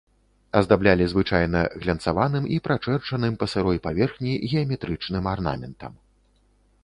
Аздаблялі звычайна глянцаваным і прачэрчаным па сырой паверхні геаметрычным арнаментам.